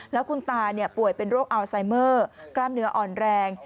แล้วคุณตาป่วยเป็นโรคอัลไซเมอร์กล้ามเนื้ออ่อนแรง